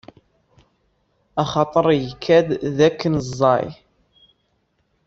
Axaṭaṛ ikad dakken ẓẓay.